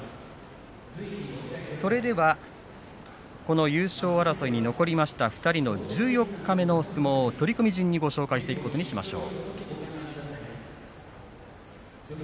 それでは、この優勝争いに残りました２人の十四日目の相撲取組順にご紹介していくことにしましょう。